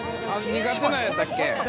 ◆苦手なんやったっけ。